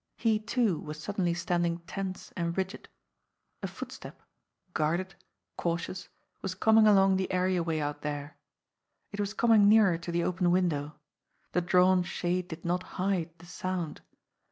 He, too, was sud denly standing tense and rigid. A footstep, guarded, cau tious, was coming along the areaway out there. It was coming nearer to the open window the drawn shade did not hide the sound.